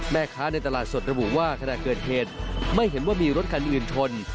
ในตลาดสดระบุว่าขณะเกิดเหตุไม่เห็นว่ามีรถคันอื่นชน